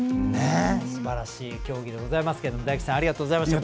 すばらしい競技でございますけれども大吉さんありがとうございました。